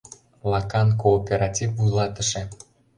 ЛАКАН КООПЕРАТИВ ВУЙЛАТЫШЕ